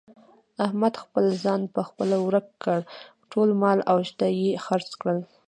احمد خپل ځان په خپله ورک کړ. ټول مال او شته یې خرڅ کړل.